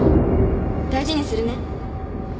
大事にするね。